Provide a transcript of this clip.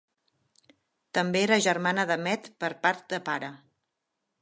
També era germana de Medb per part de pare.